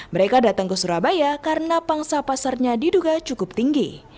mereka datang ke surabaya karena pangsa pasarnya diduga cukup tinggi